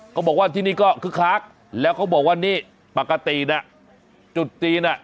เขาบอกว่าที่นี่ก็คึกคักแล้วเขาบอกว่านี่ปกติน่ะจุดจีนอ่ะ